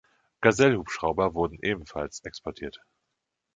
Gazelle-Hubschrauber wurden ebenfalls exportiert.